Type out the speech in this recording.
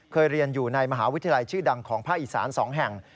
เคยเรียนอยู่ในมหาวิทยาลัยชื่อดังของภาคอีสาน๒แห่ง